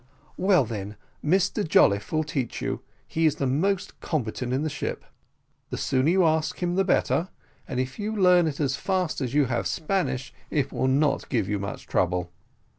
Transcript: "Well, then, Mr Jolliffe will teach you; he is the most competent in this ship: the sooner you ask him the better, and if you learn it as fast as you have Spanish, it will not give you much trouble."